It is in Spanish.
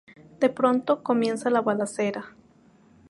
De pronto comienza la balacera.